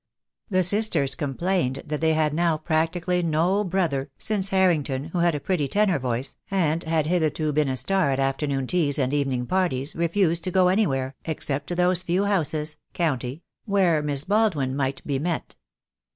The sisters complained that they had now practically no brother, since Harrington, who had a pretty tenor voice, and had hitherto been a star at afternoon teas and even ing parties, refused to go anywhere, except to those few houses — county — where Miss Baldwin might be met.